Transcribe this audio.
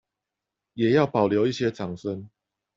也要保留一些掌聲